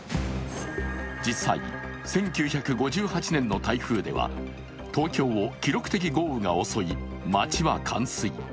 実際、１９５８年の台風では東京を記録的豪雨が襲い、街は冠水。